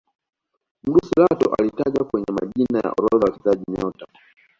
mrusi lato alitajwa kwenye majina ya orodha ya wachezaji nyota